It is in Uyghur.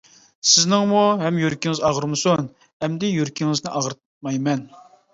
سىزنىڭمۇ ھەم يۈرىكىڭىز ئاغرىمىسۇن، ئەمدى يۈرىكىڭىزنى ئاغرىتمايمەن.